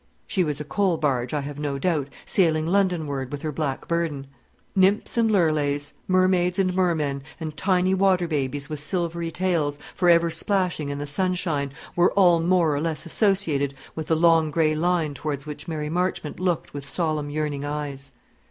(She was a coal barge, I have no doubt, sailing Londonward with her black burden.) Nymphs and Lurleis, Mermaids and Mermen, and tiny water babies with silvery tails, for ever splashing in the sunshine, were all more or less associated with the long grey line towards which Mary Marchmont looked with solemn, yearning eyes.